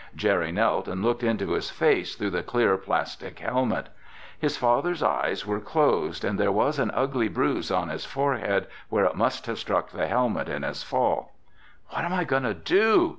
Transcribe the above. Jerry knelt and looked into his face through the clear plastic helmet. His father's eyes were closed and there was an ugly bruise on his forehead where it must have struck the helmet in his fall. "What am I going to do?"